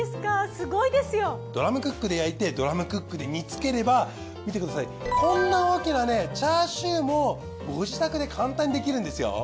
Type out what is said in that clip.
すごいですよ。ドラムクックで焼いてドラムクックで煮つければ見てくださいこんな大きなねチャーシューもご自宅で簡単にできるんですよ。